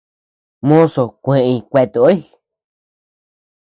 Mozo kueʼeñ kueatoʼoy.